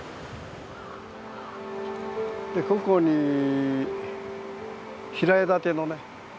ここに平屋建てのね